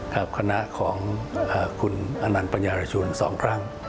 คณะของคุณอนันต์ปัญญารชุน๒ครั้ง